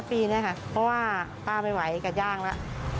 เพราะว่าป้าไม่ไหวก็ย่างแล้ว